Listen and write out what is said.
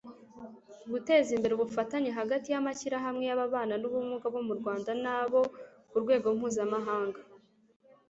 guteza imbere ubufatanye hagati y'amashyirahamwe y'ababana n'ubumuga bo mu rwanda n'abo ku rwego mpuzamahanga